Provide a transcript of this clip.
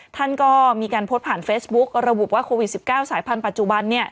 ท่านก็มีการโพสต์ผ่านเฟซบุ๊กระบุว่าโควิด๑๙สายพันธุปัจจุบัน